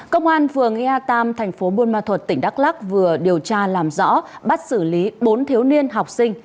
công an vừa nghe a ba tp hcm tỉnh đắk lắc vừa điều tra làm rõ bắt xử lý bốn thiếu niên học sinh